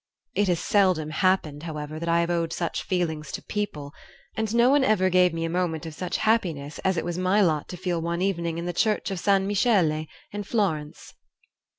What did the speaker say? It has seldom happened, however, that I have owed such feelings to people; and no one ever gave me a moment of such happiness as it was my lot to feel one evening in the Church of Or San Michele, in Florence."